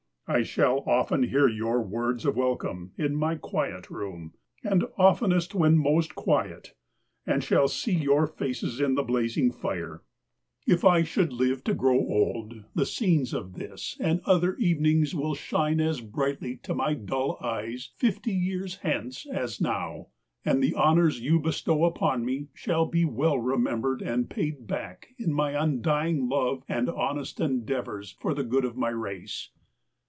I shall often hear your words of welcome in my quiet room, and oftenest when most quiet; and shall see your faces in the blazing fire. If I 151 THE WORLD'S FAMOUS ORATIONS should live to grow old, the scenes of this and other evenings will shine as brightly to my dull eyes fifty years hence as now; and the honors you bestow upon me shall be well remembered and paid back in my undying love and honest endeavors for the good of my race.